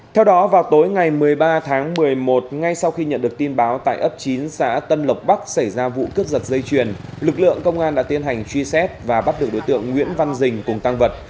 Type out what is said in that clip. theo đó vào tối ngày một mươi ba tháng một mươi một ngay sau khi nhận được tin báo tại ấp chín xã tân lộc bắc xảy ra vụ cướp giật dây chuyền lực lượng công an đã tiến hành truy xét và bắt được đối tượng nguyễn văn dình cùng tăng vật